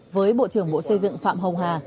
với bộ trưởng bộ xây dựng phạm hồng hà